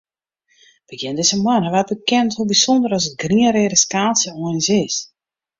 Begjin dizze moanne waard bekend hoe bysûnder as it grien-reade skaaltsje eins is.